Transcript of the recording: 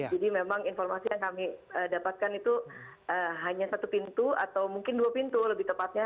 jadi memang informasi yang kami dapatkan itu hanya satu pintu atau mungkin dua pintu lebih tepatnya